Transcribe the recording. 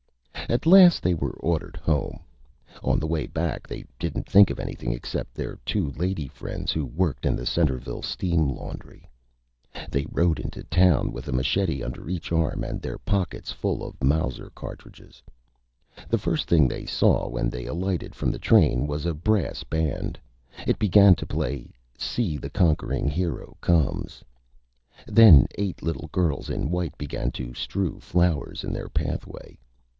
At last they were ordered Home. On the way back they didn't think of Anything except their two Lady Friends, who worked in the Centreville Steam Laundry. [Illustration: SCHUY] They rode into Town with a Machete under each Arm, and their Pockets full of Mauser Cartridges. The first Thing they saw when they alighted from the Train was a Brass Band. It began to play, "See the Conquering Hero Comes." Then eight Little Girls in White began to strew Flowers in their Pathway.